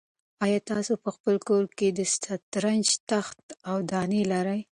آیا تاسو په خپل کور کې د شطرنج تخته او دانې لرئ؟